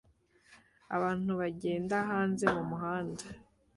Abantu bagenda hanze mumuhanda